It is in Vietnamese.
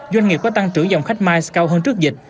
doanh nghiệp có tăng trưởng dòng khách mice cao hơn trước dịch